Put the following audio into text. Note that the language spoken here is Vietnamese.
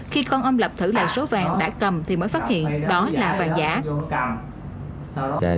khi con ông lập thử lại số vàng đã cầm thì mới phát hiện đó là vàng giả